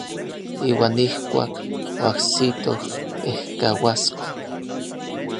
Iuan ijkuak oajsitoj ejkauasko.